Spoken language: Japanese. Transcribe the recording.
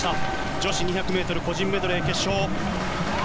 女子２００ｍ個人メドレー決勝。